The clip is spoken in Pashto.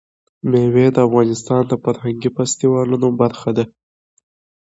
مېوې د افغانستان د فرهنګي فستیوالونو برخه ده.